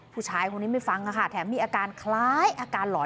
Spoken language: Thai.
ผู้ชายคนนี้ไม่ฟังค่ะแถมมีอาการคล้ายอาการหลอน